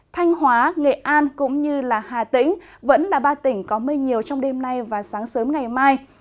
thanh hóa nghệ an cũng như hà tĩnh vẫn là ba tỉnh có mây nhiều trong đêm nay và sáng sớm ngày mai